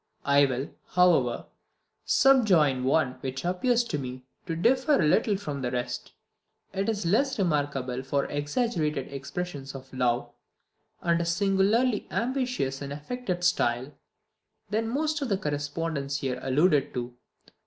I will, however, subjoin one which appears to me to differ a little from the rest. It is less remarkable for exaggerated expressions of love, and a singularly ambitious and affected style, than most of the correspondence here alluded to.